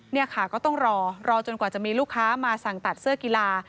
นี่ค่ะก็ต้องรอรอจนกว่าจะมีลูกค้ามาสั่งตัดเสื้อกีฬา